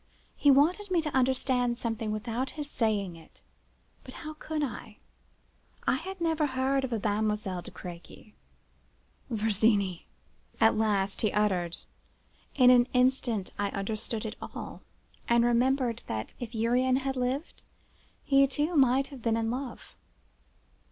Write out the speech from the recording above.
He wanted me to understand something without his saying it; but how could I? I had never heard of a Mademoiselle de Crequy. "'Virginie!' at last he uttered. In an instant I understood it all, and remembered that, if Urian had lived, he too might have been in love.